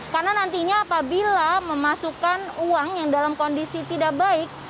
karena nantinya apabila memasukkan uang yang dalam kondisi tidak baik